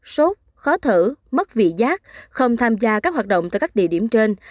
sốt khó thở mất vị giác không tham gia các hoạt động tại các địa điểm trên